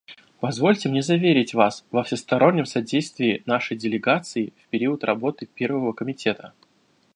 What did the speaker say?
Позвольте мне заверить Вас во всестороннем содействии нашей делегации в период работы Первого комитета.